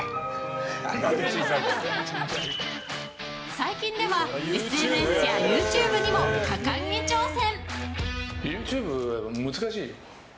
最近では、ＳＮＳやＹｏｕＴｕｂｅにも果敢に挑戦。